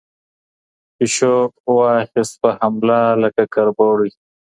پشو واخیست په حمله لکه کربوړی